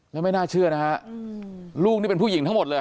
แล้วไม่น่าเชื่อนะฮะลูกนี่เป็นผู้หญิงทั้งหมดเลย